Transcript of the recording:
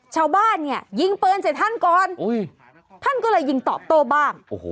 ชาวบ้านเนี่ยยิงปืนใส่ท่านก่อนท่านก็เลยยิงตอบโต้บ้าง